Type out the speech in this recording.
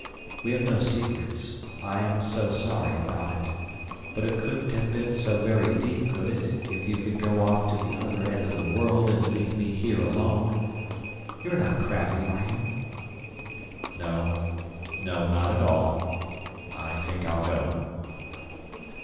"We have no secrets. I am so sorry about it. But it couldn't have been so very deep, could it, if you could go off to the other end of the world and leave me here alone. You're not crabby, are you?" "No, no, not at all. I think I'll go."